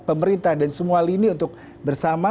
pemerintah dan semua lini untuk bersama